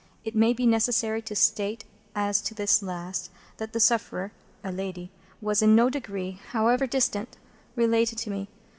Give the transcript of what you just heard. It may be necessary to state as to this last, that the sufferer (a lady) was in no degree, however distant, related to me.